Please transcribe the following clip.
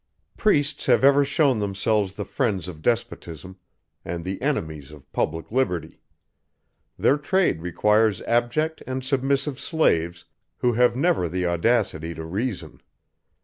Priests have ever shewn themselves the friends of despotism, and the enemies of public liberty: their trade requires abject and submissive slaves, who have never the audacity to reason.